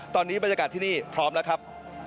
ตอนนี้บรรยากาศที่นี่พร้อมแล้วครับ